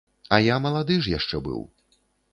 А я малады ж яшчэ быў.